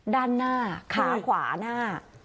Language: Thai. ด้านหน้าขาขวาหน้า